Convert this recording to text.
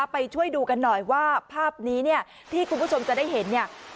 ไปช่วยดูกันหน่อยว่าภาพนี้เนี่ยที่คุณผู้ชมจะได้เห็นเนี่ย